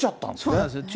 そうなんですね。